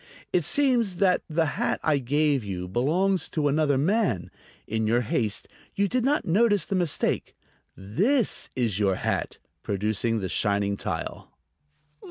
It seems that the hat I gave you belongs to another man. In your haste you did not notice the mistake. This is your hat," producing the shining tile.